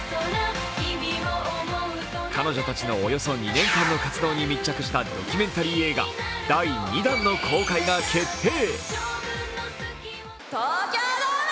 彼女たちのおよそ２年間の活動に密着したドキュメンタリー映画第２弾の公開が決定。